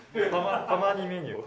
たまにメニューを。